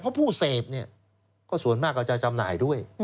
เพราะผู้เสพก็ส่วนมากจะจำหน่ายด้วย